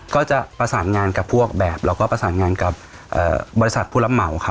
ก็จะประสานงานกับพวกแบบแล้วก็ประสานงานกับบริษัทผู้รับเหมาครับ